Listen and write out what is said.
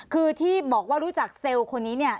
คือที่บอกว่ารู้จักเซลล์คนนี้เนี่ย